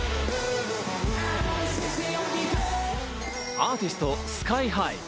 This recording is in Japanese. アーティスト、ＳＫＹ−ＨＩ。